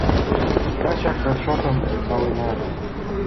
Тачак расчётым налына.